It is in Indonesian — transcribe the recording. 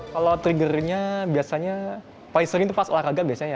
kalau triggernya biasanya paling sering pas olahraga biasanya